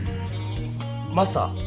マスター。